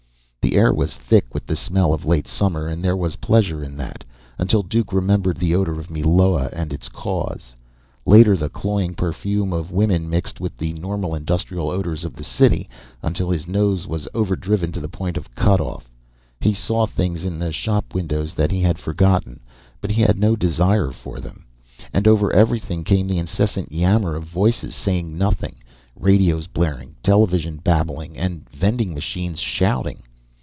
The air was thick with the smell of late summer, and there was pleasure in that, until Duke remembered the odor of Meloa, and its cause. Later the cloying perfume of women mixed with the normal industrial odors of the city, until his nose was overdriven to the point of cutoff. He saw things in the shop windows that he had forgotten, but he had no desire for them. And over everything came the incessant yammer of voices saying nothing, radios blaring, television babbling, and vending machines shouting.